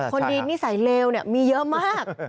คนดีนิสัยเลวมีเยอะมาก